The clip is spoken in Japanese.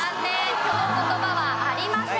この言葉はありません。